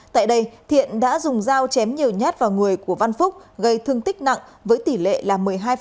tại đây thiện đã dùng dao chém nhiều nhát vào người của văn phúc gây thương tích nặng với tỷ lệ là một mươi hai